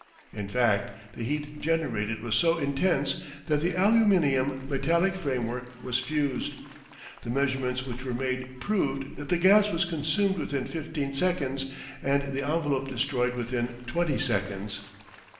In fact the heat generated was so intense that the aluminium metallic framework was fused. The measurements which were made proved that the gas was consumed within 15 seconds and the envelope destroyed within 20 seconds.